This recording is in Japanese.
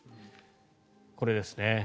これですね。